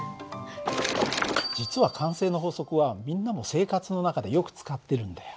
実は慣性の法則はみんなも生活の中でよく使ってるんだよ。